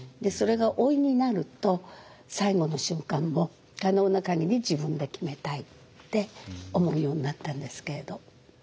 それが老いになると最後の瞬間も可能な限り自分で決めたいって思うようになったんですけれど。